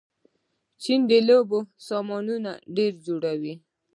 چین د لوبو سامانونه ډېر جوړوي.